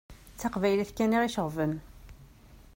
D taqbaylit kan i ɣ-iceɣben.